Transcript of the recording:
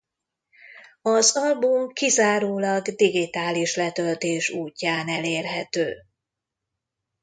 Az album kizárólag digitális letöltés útján elérhető.